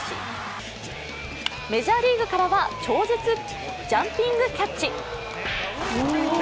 メジャーリーグからは超絶ジャンピングキャッチ。